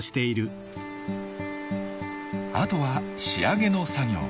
あとは仕上げの作業。